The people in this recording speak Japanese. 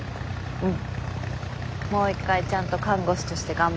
うん！